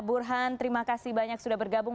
burhan terima kasih banyak sudah bergabung